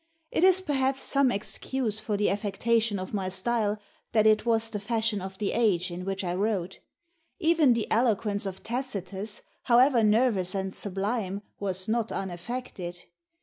It is, perhaps, some excuse for the affectation of my style that it was the fashion of the age in which I wrote. Even the eloquence of Tacitus, however nervous and sublime, was not unaffected.